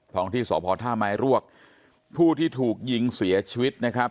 องที่สพท่าไม้รวกผู้ที่ถูกยิงเสียชีวิตนะครับ